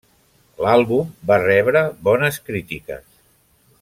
L'àlbum va rebre bones crítiques.